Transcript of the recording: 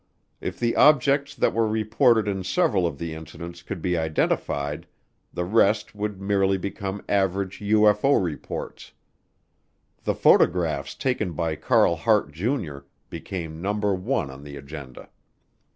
If the objects that were reported in several of the incidents could be identified, the rest would merely become average UFO reports. The photographs taken by Carl Hart, Jr., became number one on the agenda.